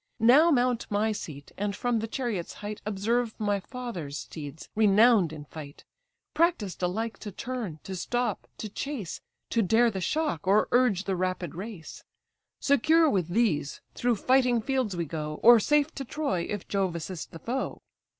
Now mount my seat, and from the chariot's height Observe my father's steeds, renown'd in fight; Practised alike to turn, to stop, to chase, To dare the shock, or urge the rapid race; Secure with these, through fighting fields we go; Or safe to Troy, if Jove assist the foe.